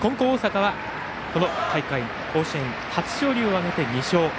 大阪は、この大会甲子園初勝利を挙げて２勝。